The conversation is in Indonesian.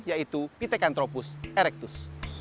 yaitu pitekantropus erectus